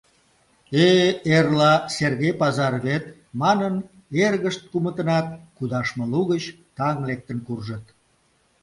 — Э-э, эрла Сергей пазар вет! — манын, эргышт кумытынат кудашме лугыч таҥ лектын куржыт.